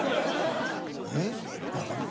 えっ？わかんない。